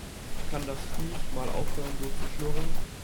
Kann das Viech mal aufhören so zu schnurren?